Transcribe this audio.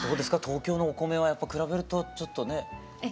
東京のお米はやっぱ比べるとちょっとね。